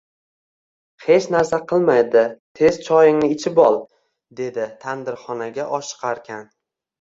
Hech narsa qilmaydi, tez choyingni ichib ol, dedi tandirxonaga oshiqarkan